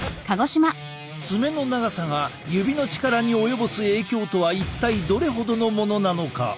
爪の長さが指の力に及ぼす影響とは一体どれほどのものなのか？